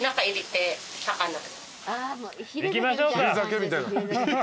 いきましょうか！